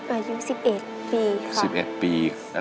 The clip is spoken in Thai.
อายุ๑๑ปีค่ะ